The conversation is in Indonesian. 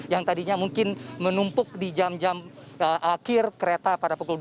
yang tadinya mungkin menumpuk di jam jam akhir kereta pada pukul dua belas